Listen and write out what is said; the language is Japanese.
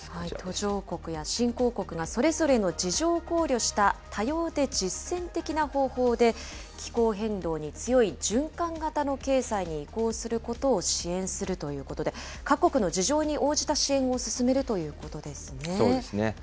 途上国や新興国がそれぞれの事情を考慮した多様で実践的な方法で、気候変動に強い循環型の経済に移行することを支援するということで、各国の事情に応じた支そうですね。